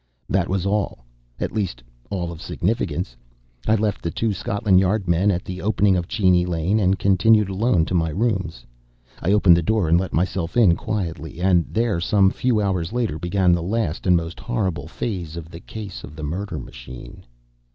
That was all. At least, all of significance. I left the two Scotland Yard men at the opening of Cheney Lane, and continued alone to my rooms. I opened the door and let myself in quietly. And there some few hours later, began the last and most horrible phase of the case of the murder machine.